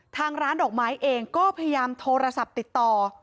ทางร้านดอกไม้เองก็พยายามโทรศัพท์ติดต่อ